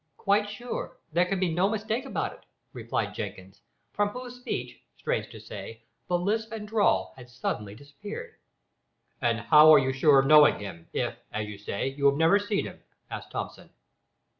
"Quite sure. There can be no mistake about it," replied Jenkins, from whose speech, strange to say, the lisp and drawl had suddenly disappeared. "And how are you sure of knowing him, if, as you say, you have never seen him?" asked Thomson.